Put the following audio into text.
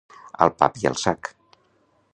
Al pap i al sac.